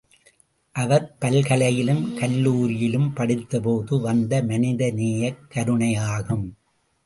அவர் பல்கலையிலும் கல்லூரியிலும் படித்தபோது வந்த மனித நேயக் கருணையாகும்!